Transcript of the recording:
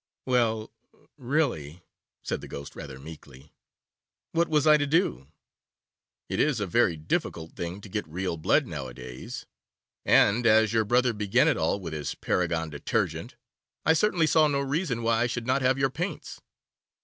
'Well, really,' said the Ghost, rather meekly, 'what was I to do? It is a very difficult thing to get real blood nowadays, and, as your brother began it all with his Paragon Detergent, I certainly saw no reason why I should not have your paints.